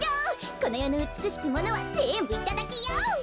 このよのうつくしきものはぜんぶいただきよ！